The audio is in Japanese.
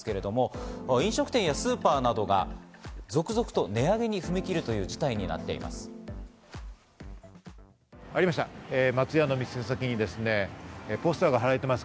飲食店やスーパーなどが続々と値上げに踏み切るという事態になっ松屋の店先にポスターが貼られています。